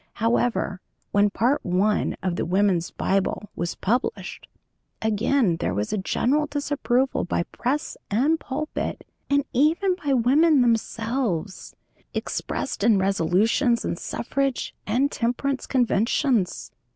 However, when Part I. of "The Woman's Bible" was published, again there was a general disapproval by press and pulpit, and even by women themselves, expressed in resolutions in suffrage and temperance conventions.